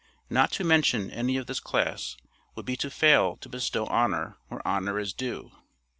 Not to mention any of this class would be to fail to bestow honor where honor is due.